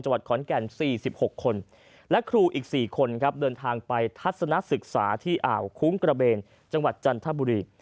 วัดขอนแก่น๔๖คนและครูอีก๔คนครับเดินทางไปทัศนศึกษาที่อ่าวคุ้งกระเบนจังหวัดจันทบุรี